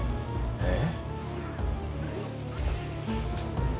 えっ？